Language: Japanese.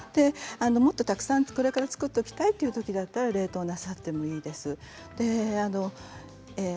もっとたくさんこれから作っていきたいという方だったら冷凍なさってもいいです。